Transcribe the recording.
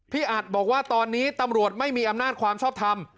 อัดบอกว่าตอนนี้ตำรวจไม่มีอำนาจความชอบทำ